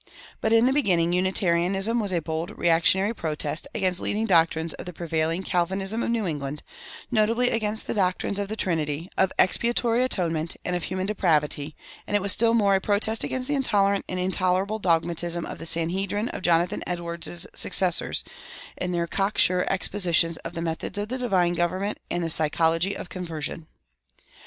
[225:1] But in the beginning Unitarianism was a bold reactionary protest against leading doctrines of the prevailing Calvinism of New England, notably against the doctrines of the Trinity, of expiatory atonement, and of human depravity; and it was still more a protest against the intolerant and intolerable dogmatism of the sanhedrim of Jonathan Edwards's successors, in their cock sure expositions of the methods of the divine government and the psychology of conversion.